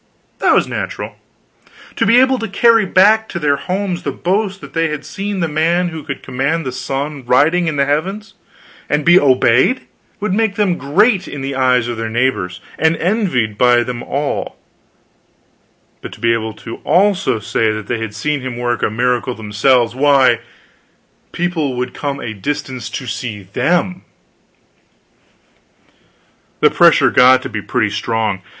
That was natural. To be able to carry back to their far homes the boast that they had seen the man who could command the sun, riding in the heavens, and be obeyed, would make them great in the eyes of their neighbors, and envied by them all; but to be able to also say they had seen him work a miracle themselves why, people would come a distance to see them. The pressure got to be pretty strong.